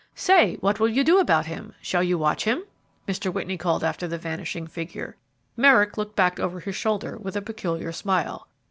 "Say, what will you do about him? Shall you watch him?" Mr. Whitney called after the vanishing figure. Merrick looked back over his shoulder with a peculiar smile.